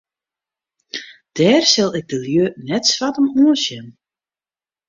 Dêr sil ik de lju net swart om oansjen.